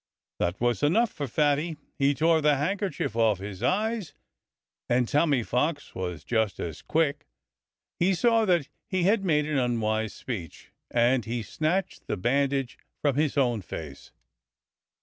That was enough for Fatty. He tore the handkerchief off his eyes. And Tommy Fox was just as quick. He saw that he had made an unwise speech. And he snatched the bandage from his own face.